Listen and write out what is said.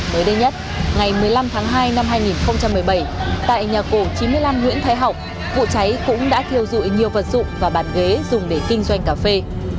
mới đây nhất ngày một mươi năm tháng hai năm hai nghìn một mươi bảy tại nhà cổ chín mươi năm nguyễn thái học vụ cháy cũng đã thiêu dụi nhiều vật dụng và bàn ghế dùng để kinh doanh cà phê